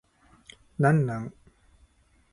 何なん